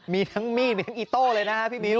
มีทั้งมีดมีทั้งอีโต้เลยนะฮะพี่มิ้ว